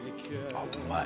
あっうまい。